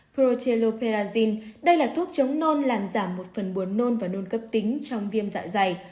frotellophrain đây là thuốc chống nôn làm giảm một phần buồn nôn và nôn cấp tính trong viêm dạ dày